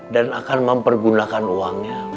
dan akan mempergunakan uangnya